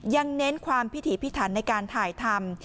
ยังเน้นความพิถีพิถันในการถ่ายธรรม